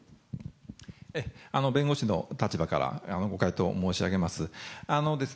弁護士の立場から、ご回答申し上げます。